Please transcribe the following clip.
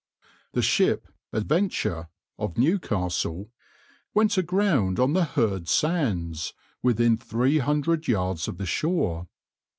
The ship {\itshape{Adventure}} of Newcastle went aground on the Herd Sands, within three hundred yards of the shore.